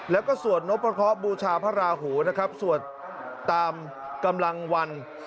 แล้วก็สวดนพครบูชาพระหูสวดตามกำลังวัน